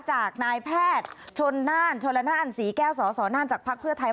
จากนายแพทย์ชนน่านชนละนานศรีแก้วสสนั่นจากภักดิ์เพื่อไทย